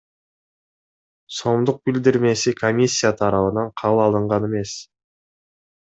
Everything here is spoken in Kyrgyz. сомдук билдирмеси комиссия тарабынан кабыл алынган эмес.